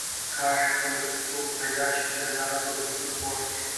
کاش کې څوک پيدا شي چې د ډالرو د حصول په وخت کې.